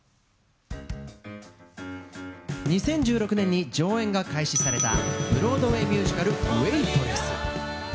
２０１６年に上演が開始されたブロードウェイミュージカル「ウェイトレス」。